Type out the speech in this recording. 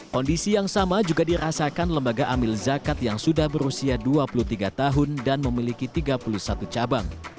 kondisi yang sama juga dirasakan lembaga amil zakat yang sudah berusia dua puluh tiga tahun dan memiliki tiga puluh satu cabang